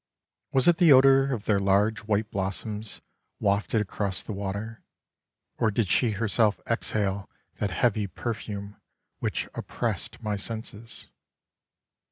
Was it the odor of their large white blossoms wafted across the water, or did she herself exhale that heavy perfume which oppressed my senses!